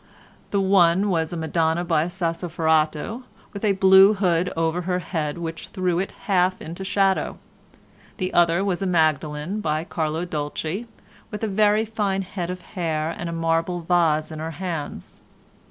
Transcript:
The one was a Madonna by Sassoferrato with a blue hood over her head which threw it half into shadow. The other was a Magdalen by Carlo Dolci with a very fine head of hair and a marble vase in her hands.